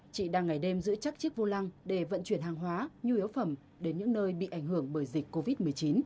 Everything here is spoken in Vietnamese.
chị đang ngày đêm giữ chắc chiếc vô lăng để vận chuyển hàng hóa nhu yếu phẩm đến những nơi bị ảnh hưởng bởi dịch covid một mươi chín